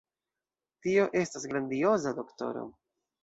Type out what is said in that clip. Tio estas grandioza, doktoro!